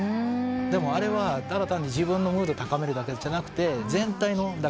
でもあれはただ単に自分のムードを高めるだけじゃなくて全体の。